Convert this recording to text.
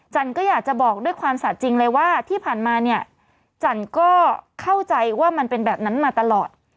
ก็อยากจะบอกด้วยความสะจริงเลยว่าที่ผ่านมาเนี่ยจันก็เข้าใจว่ามันเป็นแบบนั้นมาตลอด